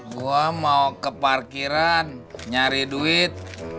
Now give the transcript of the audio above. gue mau ke parkiran nyari duit